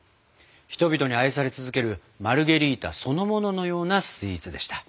人々に愛され続けるマルゲリータそのもののようなスイーツでした。